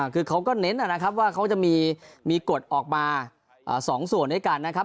คือเขาก็เน้นนะครับว่าเขาจะมีกฎออกมา๒ส่วนด้วยกันนะครับ